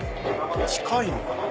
近いのかな。